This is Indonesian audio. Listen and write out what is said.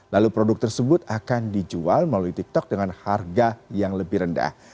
lalu produk tersebut akan dijual melalui tiktok dengan harga yang lebih rendah